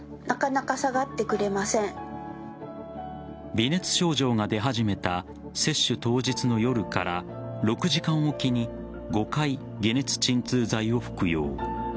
微熱症状が出始めた接種当日の夜から６時間おきに５回解熱鎮痛剤を服用。